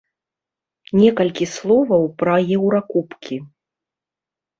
Некалькі словаў пра еўракубкі.